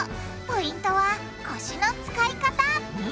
ポイントは腰の使い方！